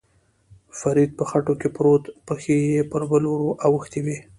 فرید په خټو کې پروت، پښې یې پر پل ور اوښتې وې.